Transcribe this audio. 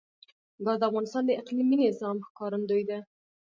ګاز د افغانستان د اقلیمي نظام ښکارندوی ده.